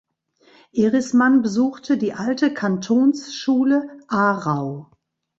Erismann besuchte die Alte Kantonsschule Aarau.